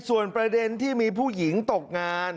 ส่วนประเด็นที่มีผู้หญิงตกงาน